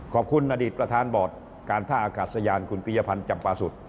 ขอบคุณอดีตประธานบอร์ดการท่าอากาศยานคุณปียพันธ์จำปาสุทธิ์